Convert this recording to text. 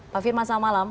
pak firma selamat malam